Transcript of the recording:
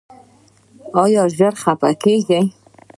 ایا ژر خفه کیږئ؟